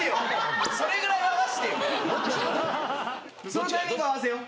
そのタイミング合わせよう。